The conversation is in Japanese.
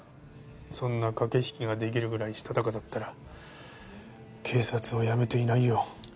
そんな駆け引きが出来るぐらいしたたかだったら警察を辞めていないよ。